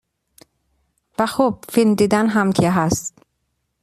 و خب فیلم دیدن هم که هست.